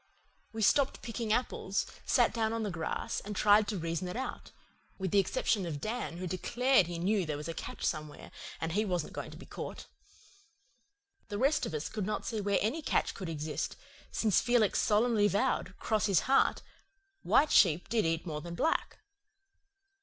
We stopped picking apples, sat down on the grass, and tried to reason it out with the exception of Dan, who declared that he knew there was a catch somewhere and he wasn't going to be caught. The rest of us could not see where any catch could exist, since Felix solemnly vowed, 'cross his heart, white sheep did eat more than black.